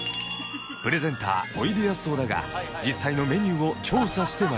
プレゼンターおいでやす小田が実際のメニューを調査してまいりました